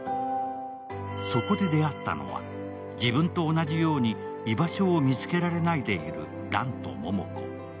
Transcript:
そこで出会ったのは、自分と同じように居場所を見つけられないでいる蘭と桃子。